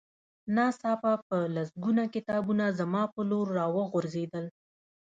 ناڅاپه په لسګونه کتابونه زما په لور را وغورځېدل